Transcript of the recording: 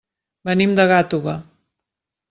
Venim de Gàtova.